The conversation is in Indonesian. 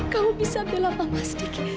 kamu bisa bela mama sedikit